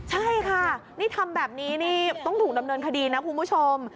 ใช่ค่ะนี่ทำแบบนี้นี่ต้องถูกดำเนินคดีนะคุณผู้ชม